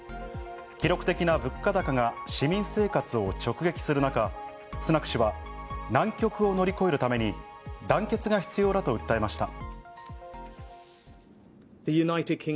記録的な物価高が市民生活を直撃する中、スナク氏は難局を乗り越えるために団結が必要だと訴えました。